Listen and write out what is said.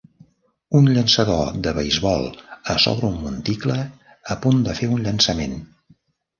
Un llançador de beisbol a sobre el monticle a punt de fer un llançament